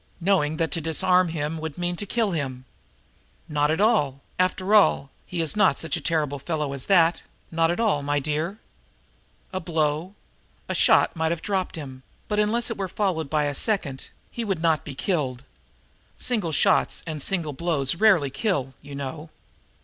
"Knowing that to disarm him would mean to kill him." "Not at all. After all he is not such a terrible fellow as that not at all, my dear. A blow, a shot might have dropped him. But, unless it were followed by a second, he would not be killed. Single shots and single blows rarely kill, you know."